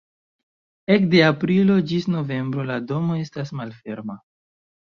Ekde aprilo ĝis novembro la domo estas malferma.